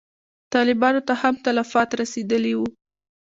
طالبانو ته هم تلفات رسېدلي وي.